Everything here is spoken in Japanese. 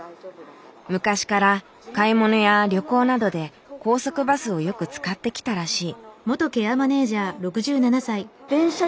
昔から買い物や旅行などで高速バスをよく使ってきたらしい。